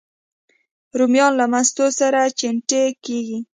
رومیان له مستو سره چټني کېږي